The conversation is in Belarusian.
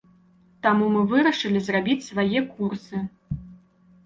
Таму мы вырашылі зрабіць свае курсы.